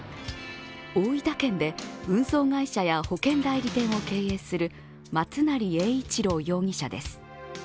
大分県で運送会社や保険代理店を経営する松成英一郎容疑者です。